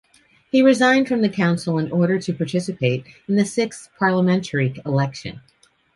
He resigned from the Council in order to participate in the sixth parliamentary election.